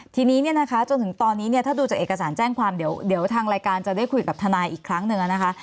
ทีนี้เนี่ยนะคะจนถึงตอนนี้เนี่ยถ้าดูจากเอกสารแจ้งความเดี๋ยวทางรายการจะได้คุยกับทนายอีกครั้งหนึ่งนะคะ